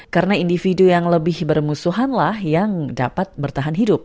karena individu yang lebih bermusuhanlah yang dapat bertahan hidup